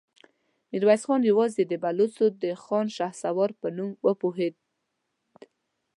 ميرويس خان يواځې د بلوڅو د خان شهسوار په نوم وپوهېد.